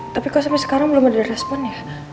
tapi kok sampai sekarang belum ada respon ya